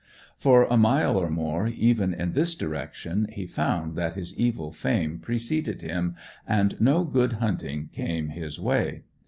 For a mile or more, even in this direction, he found that his evil fame preceded him, and no good hunting came his way.